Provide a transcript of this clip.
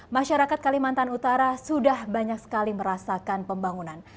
masyarakat kalimantan utara sudah banyak sekali merasakan pembangunan